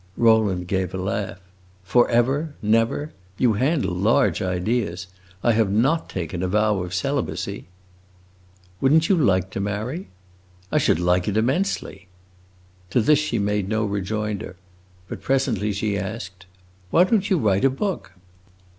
Rowland gave a laugh. "'Forever' 'never!' You handle large ideas. I have not taken a vow of celibacy." "Would n't you like to marry?" "I should like it immensely." To this she made no rejoinder: but presently she asked, "Why don't you write a book?"